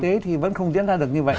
thực tế thì vẫn không diễn ra được như vậy